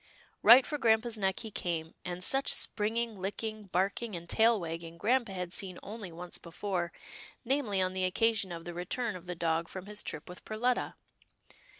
Right for grampa' s neck he came, and such springing, licking, barking and tail wagging, grampa had seen only once before, namely on the occasion of the return of the dog from his trip with Perletta.